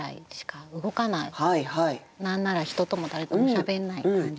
何なら人とも誰ともしゃべんない感じで。